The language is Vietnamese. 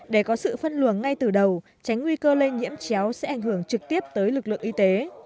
để có sự phân luồng ngay từ đầu tránh nguy cơ lây nhiễm chéo sẽ ảnh hưởng trực tiếp tới lực lượng y tế